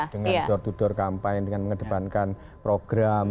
dengan door to door kampanye dengan mengedepankan program